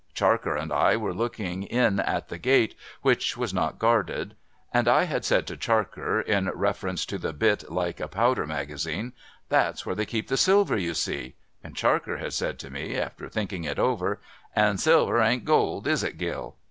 Charker and I were looking in at the gate, which was not guarded; and I had said to Charker, in reference to the bit like a powder magazine, ' That's where they keep the silver you see ;' and Charker had said to me, after thinking it over, ' And silver ain't gold. Is it, Gill